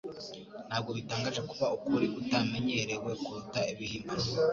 Ntabwo bitangaje kuba ukuri kutamenyerewe kuruta ibihimbano.